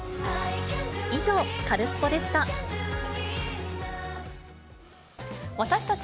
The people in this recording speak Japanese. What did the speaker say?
以上、カルスポっ！でした。